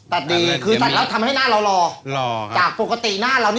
ตัดดีคือตัดแล้วทำให้หน้าเราหล่อ